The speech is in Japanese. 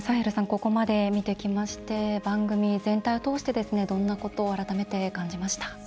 ここまで見てきまして番組全体を通してどんなことを改めて感じました？